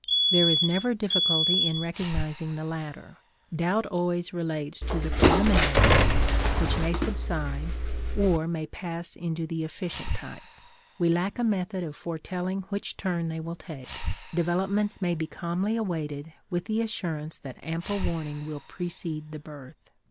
There is never difficulty in recognizing the latter; doubt always relates to the preliminary pains, which may subside or may pass into the efficient type. We lack a method of foretelling which turn they will take; developments may be calmly awaited, with the assurance that ample warning will precede the birth.